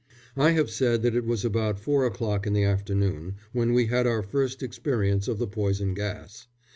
I have said that it was about four o'clock in the afternoon when we had our first experience of the poison gas.